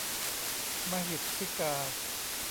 มะหิทธิกา